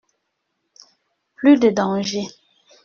Plus de dangers.